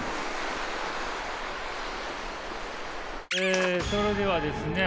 えそれではですね